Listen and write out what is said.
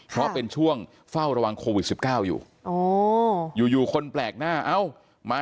เขาเป็นช่วงเฝ้าระวังโควิดสิบเก้าอยู่โอ้อยู่อยู่คนแปลกหน้าเอา